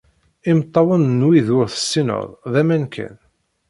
Imeṭṭawen n wid ur tessineḍ, d aman kan.